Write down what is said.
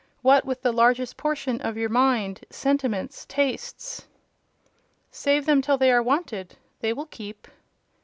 What, with the largest portion of your mind—sentiments—tastes?" "Save them till they are wanted. They will keep."